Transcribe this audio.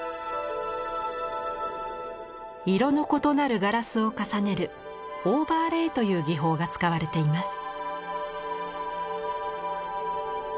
色の異なるガラスを重ねるオーバーレイという技法が使われています。